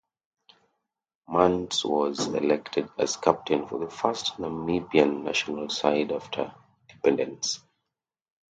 Mans was selected as captain for the first Namibian national side after independence.